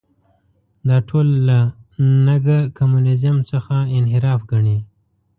دا ټول له نګه کمونیزم څخه انحراف ګڼي.